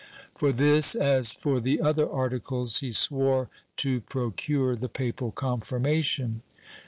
For this, as for the other articles, he swore to procure the papal confirmation.